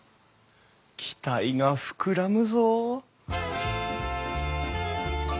期待が膨らむぞ。